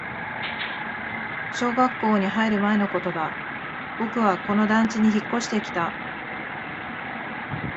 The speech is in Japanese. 小学校に入る前のことだ、僕はこの団地に引っ越してきた